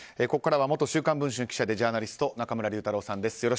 ここからは元「週刊文春」記者でジャーナリスト中村竜太郎さんです。